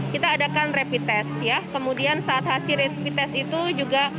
kita adakan rapid test ya kemudian saat hasil rapid test itu juga